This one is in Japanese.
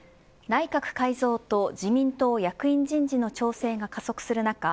内閣改造と自民党役員人事の調整が加速する中